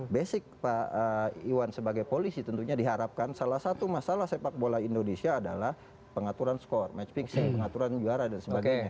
basic pak iwan sebagai polisi tentunya diharapkan salah satu masalah sepak bola indonesia adalah pengaturan skor match fixing pengaturan juara dan sebagainya